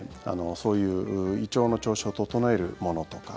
そういう胃腸の調子を整えるものとか。